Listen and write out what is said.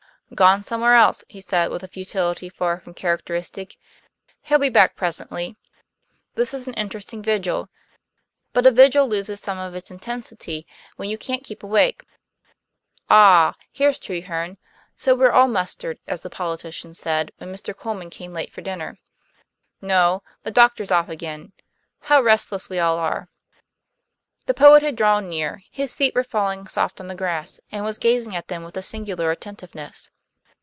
"Gone somewhere else," he said, with futility far from characteristic. "He'll be back here presently. This is an interesting vigil, but a vigil loses some of its intensity when you can't keep awake. Ah! Here's Treherne; so we're all mustered, as the politician said when Mr. Colman came late for dinner. No, the doctor's off again. How restless we all are!" The poet had drawn near, his feet were falling soft on the grass, and was gazing at them with a singular attentiveness.